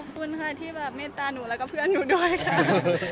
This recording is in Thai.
ขอบคุณค่ะที่แบบเมตตาหนูแล้วก็เพื่อนหนูด้วยค่ะ